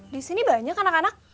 disini banyak anak anak